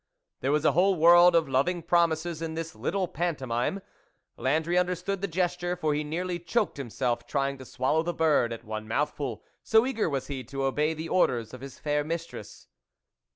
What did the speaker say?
There was a whole world of loving promises in this little pantomime. Landry understood the gesture, for he nearly choked himself try ing to swallow the bird at one mouthful, so eager was he. to obey the orders of his fair mistress.